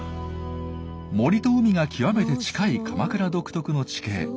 森と海が極めて近い鎌倉独特の地形。